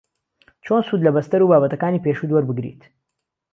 چۆن سوود لە بەستەر و بابەتەکانی پێشووت وەربگریت